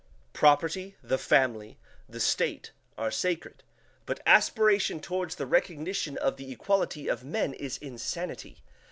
Property, the family, the state, are sacred; but aspiration toward the recognition of the equality of men is insanity.